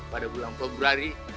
pada bulan februari